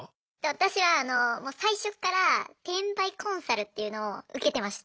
私はもう最初っから転売コンサルっていうのを受けてました。